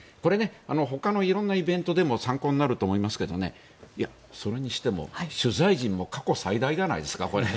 ほかのいろんなイベントでも参考になると思いますがそれにしても取材陣も過去最大じゃないですか。